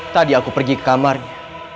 tadi aku pergi ke kamarnya